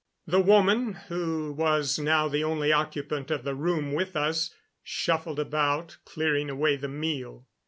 The woman, who was now the only occupant of the room with us, shuffled about, clearing away the meal.